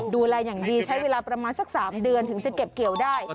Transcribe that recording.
ดูแลอย่างดีใช้เวลาประมาณสัก๓เดือนถึงจะเก็บเกี่ยวได้